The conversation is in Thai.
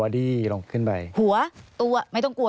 สวัสดีค่ะที่จอมฝันครับ